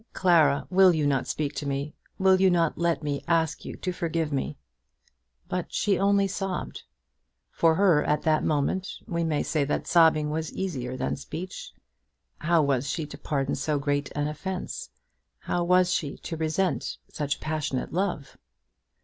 "Clara; will you not speak to me? Will you not let me ask you to forgive me?" But still she only sobbed. For her, at that moment, we may say that sobbing was easier than speech. How was she to pardon so great an offence? How was she to resent such passionate love?